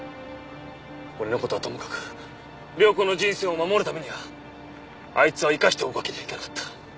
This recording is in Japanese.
俺の事はともかく涼子の人生を守るためにはあいつは生かしておくわけにはいかなかった。